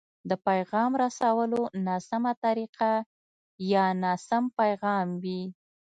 د پيغام رسولو ناسمه طريقه يا ناسم پيغام وي.